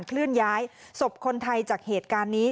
เคลื่อนย้ายศพคนไทยจากเหตุการณ์นี้